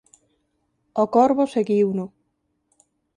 O corvo seguiuno.